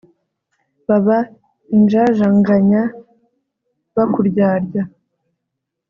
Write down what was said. Baba injajanganya bakuryarya!